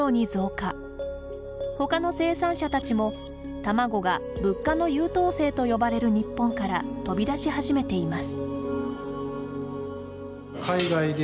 他の生産者たちも卵が物価の優等生と呼ばれる日本から飛び出し始めています。